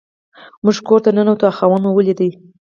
موږ کور ته ننوتو او خاوند مو ولید.